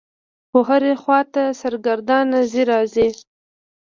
خو هرې خوا ته سرګردانه څي رڅي.